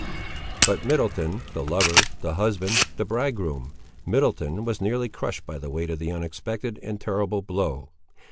But Middleton, the lover, the husband, the bridegroom—Middleton was nearly crushed by the weight of the unexpected and terrible blow.